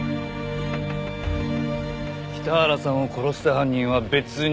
北原さんを殺した犯人は別にいた。